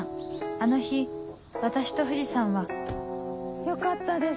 あの日私と藤さんはよかったです